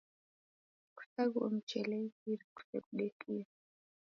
Kusaghuo mchele imbiri kuseghudekie